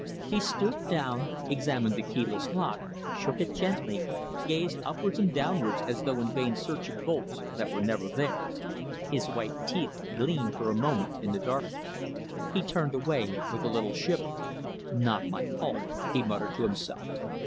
He stooped down, examined the keyless lock, shook it gently, gazed upwards and downwards as though in vain search of bolts that were never there. His white teeth gleamed for a moment in the darkness. He turned away with a little shiver. "Not my fault," he muttered to himself.